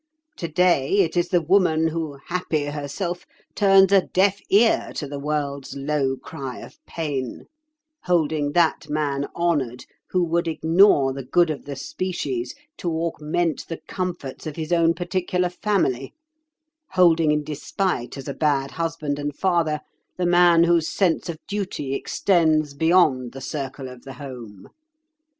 Today, it is the woman who, happy herself, turns a deaf ear to the world's low cry of pain; holding that man honoured who would ignore the good of the species to augment the comforts of his own particular family; holding in despite as a bad husband and father the man whose sense of duty extends beyond the circle of the home.